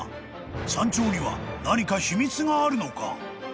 ［山頂には何か秘密があるのか？］